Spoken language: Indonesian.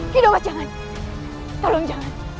kido jangan tolong jangan